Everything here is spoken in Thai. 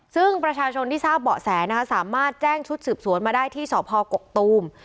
ซึ่งประชาชนที่ทราบเบาะแสนะคะสามารถแจ้งชุดสืบสวนมาได้ที่สพกกตูม